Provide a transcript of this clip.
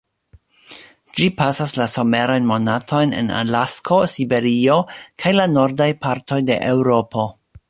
Ĝi pasas la somerajn monatojn en Alasko, Siberio, kaj la nordaj partoj de Eŭropo.